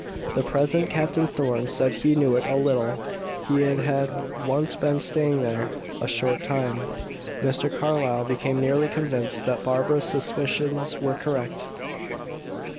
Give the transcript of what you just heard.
The present Captain Thorn said he knew it "a little," he had once been "staying there a short time." Mr. Carlyle became nearly convinced that Barbara's suspicions were correct.